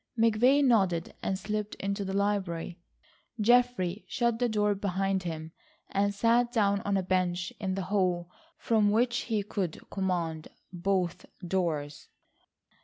McVay nodded and slipped into the library. Geoffrey shut the door behind him, and sat down on a bench in the hall from which he could command both doors.